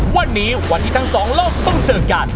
วันนี้วันที่ทั้งสองโลกต้องเจอกัน